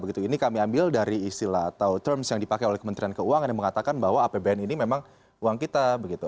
ini kami ambil dari istilah atau terms yang dipakai oleh kementerian keuangan yang mengatakan bahwa apbn ini memang uang kita